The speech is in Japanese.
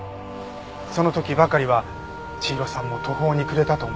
その時ばかりは千尋さんも途方に暮れたと思います。